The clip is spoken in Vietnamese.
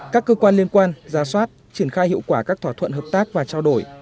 các cơ quan liên quan giá soát triển khai hiệu quả các thỏa thuận hợp tác và trao đổi